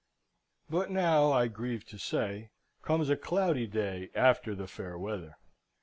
But now, I grieve to say, comes a cloudy day after the fair weather.